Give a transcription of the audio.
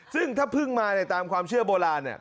ซึ่งถ้าพึ่งมาเนี่ยตามความเชื่อโบราณเนี่ย